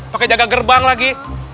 pake jaga gerbang lagi